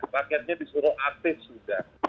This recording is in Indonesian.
rakyatnya disuruh aktif sudah